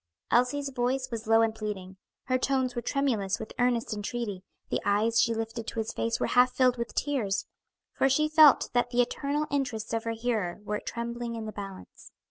Elsie's voice was low and pleading, her tones were tremulous with earnest entreaty, the eyes she lifted to his face were half filled with tears; for she felt that the eternal interests of her hearer were trembling in the balance.